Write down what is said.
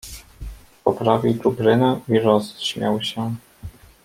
"Poprawił czuprynę i rozśmiał się."